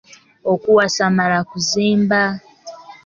Okuwasa mmala kuzimba.